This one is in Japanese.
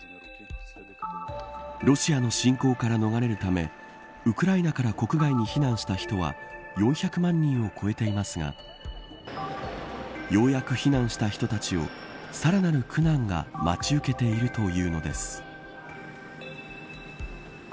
ロシアの侵攻から逃れるためウクライナから国外に避難した人は４００万人を超えていますがようやく避難した人たちをさらなる苦難が待ち受けているというのです。